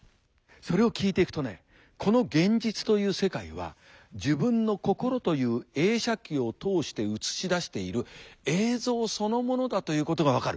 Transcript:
それを聞いていくとねこの現実という世界は自分の心という映写機を通して映し出している映像そのものだということが分かる。